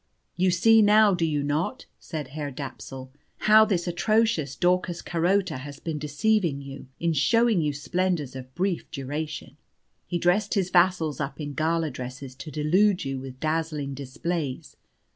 "You see now, do you not," said Herr Dapsul, "how this atrocious Daucus Carota has been deceiving you in showing you splendours of brief duration? He dressed his vassals up in gala dresses to delude you with dazzling displays.